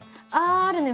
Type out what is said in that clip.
ああるね。